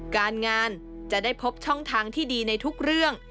การงานจะได้พบช่องทางที่ดีในทุกเรื่อง